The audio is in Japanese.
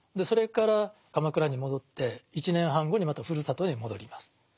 それから鎌倉に戻って１年半後にまたふるさとに戻ります。